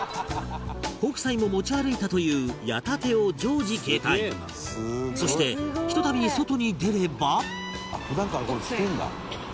北斎も持ち歩いたというそしてひとたび外に出れば